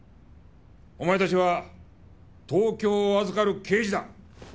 お前たちは東京を預かる刑事だ。